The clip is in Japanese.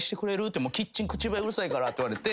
「キッチン口笛うるさいから」って言われて。